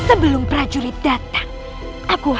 aku akan menghafalmu